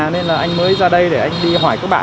nên là anh mới ra đây để anh đi hỏi các bạn